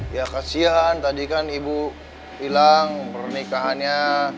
ya kasian tadi kan ibu hilang pernikahannya